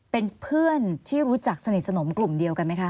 เป็นเพื่อนที่รู้จักสนิทสนมกลุ่มเดียวกันไหมคะ